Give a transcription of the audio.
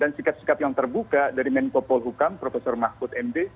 dan sikap sikap yang terbuka dari menko polhukam prof mahfud md